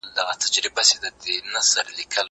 زه بايد موسيقي اورم!